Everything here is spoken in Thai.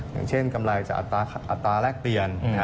อย่างเช่นกำไรจากอัตราแรกเปลี่ยน